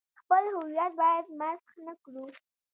خپل هویت باید مسخ نه کړو.